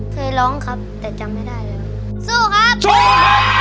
สุดท้ายแต่จำไม่ได้เลยสู้ครับ